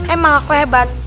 emang aku hebat